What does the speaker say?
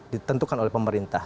ditentukan oleh pemerintah